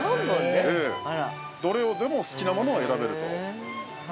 ◆どれでも好きなものを選べると。